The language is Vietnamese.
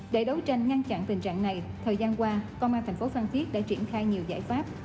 để đấu tranh ngăn chặn tình trạng này thời gian qua công an thành phố phan thiết đã triển khai nhiều giải pháp